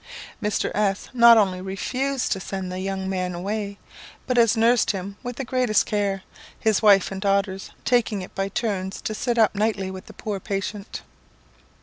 Mr. S not only refused to send the young man away, but has nursed him with the greatest care, his wife and daughters taking it by turns to sit up nightly with the poor patient."